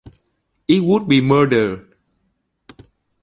It would be murder.